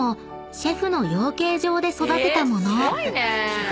シェフの養鶏場で育てた物］